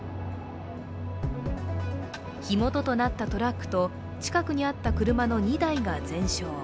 火元となったトラックと近くにあった車の２台が全焼。